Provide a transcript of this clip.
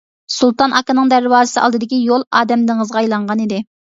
سۇلتان ئاكىنىڭ دەرۋازىسى ئالدىدىكى يول ئادەم دېڭىزىغا ئايلانغان ئىدى.